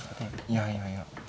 いやいやいや。